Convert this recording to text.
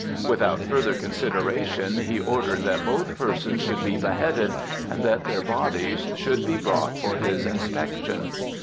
Without further consideration he ordered that both persons should be beheaded and that their bodies should be brought for his inspection.